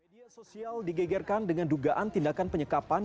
media sosial digegerkan dengan dugaan tindakan penyekapan